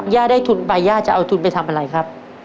ย่าได้ทุนไปย่าจะเอาทุนไปทำอะไรครับ